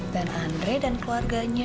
dan andre dan keluarganya